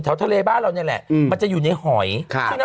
แถวทะเลบ้านเราเนี่ยแหละอืมมันจะอยู่ในหอยค่ะที่นัก